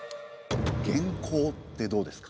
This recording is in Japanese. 元寇ってどうですか？